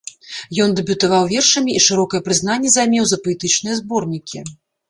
Ён дэбютаваў вершамі і шырокае прызнанне займеў за паэтычныя зборнікі.